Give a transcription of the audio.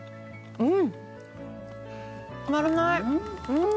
うん。